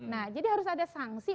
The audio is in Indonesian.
nah jadi harus ada sanksi